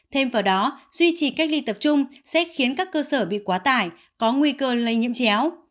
thêm vào đó duy trì cách ly tập trung sẽ khiến các cơ sở bị quá tải có nguy cơ lây nhiễm chéo